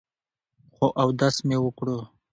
خو اودس مې وکړو ـ